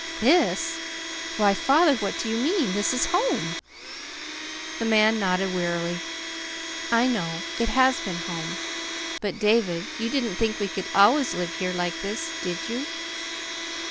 "This! Why, father, what do you mean? This is home!" The man nodded wearily. "I know. It has been home; but, David, you didn't think we could always live here, like this, did you?"